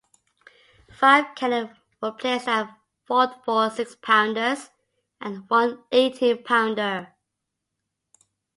Five cannon were placed at the fort-four six-pounders and one eighteen-pounder.